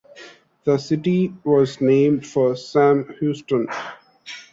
The city was named for Sam Houston.